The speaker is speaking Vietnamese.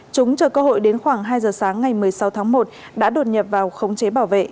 chúng chờ cơ hội đến khoảng hai giờ sáng ngày một mươi sáu tháng một đã đột nhập vào khống chế bảo vệ